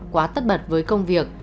quá tất bật với công việc